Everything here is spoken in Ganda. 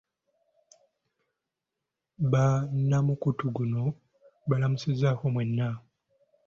Bannamukutu guno mbalamusizzaako mwenna.